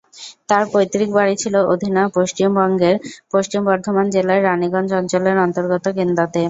তার পৈতৃক বাড়ি ছিল অধুনা পশ্চিমবঙ্গের পশ্চিম বর্ধমান জেলার রাণীগঞ্জ অঞ্চলের অন্তর্গত কেন্দাতে।